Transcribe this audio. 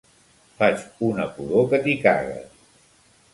Faig una pudor que t'hi cagues.